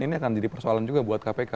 ini akan jadi persoalan juga buat kpk